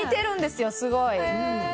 すごい。